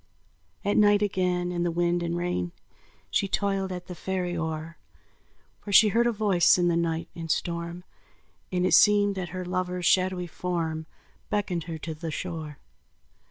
At night again in the wind and rain, She toiled at the ferry oar; For she heard a voice in the night and storm, And it seemed that her lover's shadowy form Beckoned her to the shore.